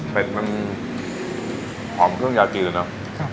เป็ดมันหอมเครื่องยากินนะครับ